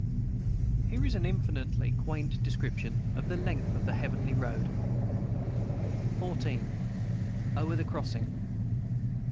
Here is an infinitely quaint description of the length of the heavenly road: XIV. O'ER THE CROSSING.